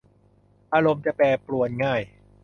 อารมณ์จะแปรปรวนง่าย